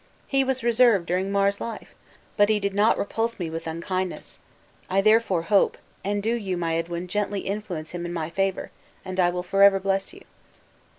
He was reserved during Mar's life! but he did not repulse me with unkindness. I therefore hope; and do you, my Edwin, gently influence him in my favor, and I will forever bless you."